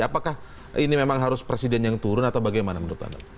apakah ini memang harus presiden yang turun atau bagaimana menurut anda